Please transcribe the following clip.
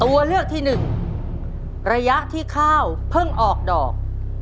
ตัวเลือกที่หนึ่งระยะที่ข้าวเพิ่งออกดอก